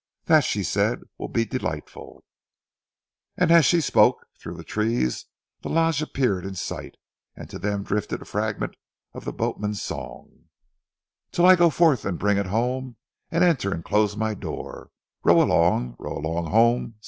"That," she said, "will be delightful!" And as she spoke, through the trees the Lodge appeared in sight, and to them drifted a fragment of the boatman's song " Till I go forth and bring it home, And enter and close my door Row along, row along home, ci, ci!"